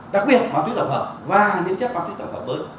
đặc biệt ma túy tổng hợp và những chất ma túy tổng hợp mới